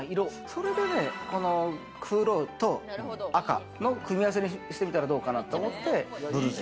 それで黒と赤の組み合わせにしてみたらどうかなと思って。